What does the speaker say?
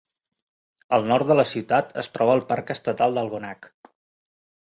Al nord de la ciutat es troba el parc estatal d'Algonac.